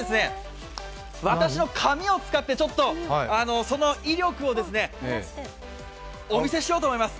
私の髪を使ってその威力をお見せしようと思います。